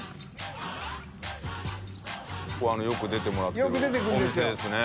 △蕁海海よく出てもらってるお店ですね。